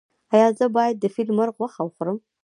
ایا زه باید د فیل مرغ غوښه وخورم؟